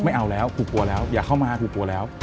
ไม่เอาแล้วกูกลัวแล้วอย่าเข้ามากูกลัวแล้ว